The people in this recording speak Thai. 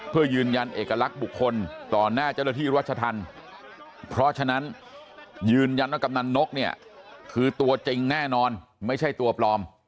เพื่อยืนยันเอกลักษณ์บุคคลต่อหน้าเจ้าหน้าที่รัชธรรมเพราะฉะนั้นยืนยันว่ากำนันนกเนี่ยคือตัวจริงแน่นอนไม่ใช่ตัวปลอม